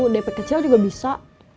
dp kecil juga bisa